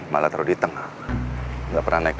malah taruh di tengah nggak pernah naik